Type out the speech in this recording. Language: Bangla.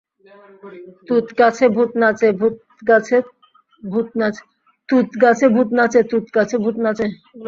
তুঁতগাছে ভূত নাচে, তুঁতগাছে ভূত নাচে।